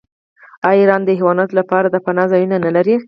آیا ایران د حیواناتو لپاره پناه ځایونه نلري؟